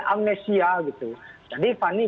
amnesia gitu jadi fanny